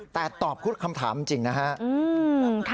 แต่ตอบคุดคำถามจริงนะครับ